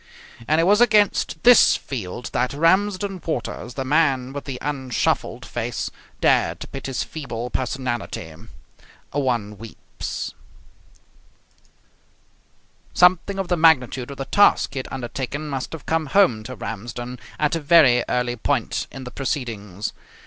And it was against this field that Ramsden Waters, the man with the unshuffled face, dared to pit his feeble personality. One weeps. Something of the magnitude of the task he had undertaken must have come home to Ramsden at a very early point in the proceedings.